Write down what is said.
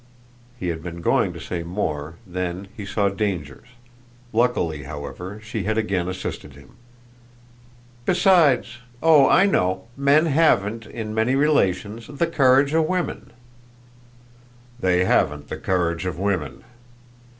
He had been going to say more then he saw dangers; luckily however she had again assisted him. "Besides oh I know! men haven't, in many relations, the courage of women." "They haven't the courage of women."